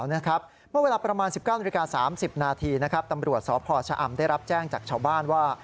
เมื่อเวลาประมาณ๑๙นาฬิกา๓๐นาทีตำรวจสพชะอำได้รับแจ้งจากชาวบ้านว่า